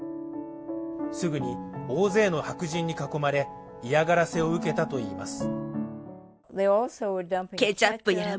すぐに大勢の白人に囲まれ、嫌がらせを受けたといいます。